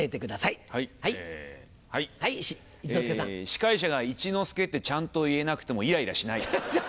司会者が「一之輔」ってちゃんと言えなくてもイライラしない。